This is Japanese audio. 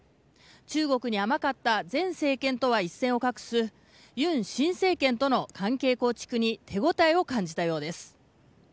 中国に甘かった前政権とは一線を画す尹新政権との関係構築に手応えを感じたようです。